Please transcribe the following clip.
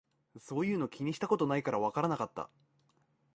そういうの気にしたことないからわからなかった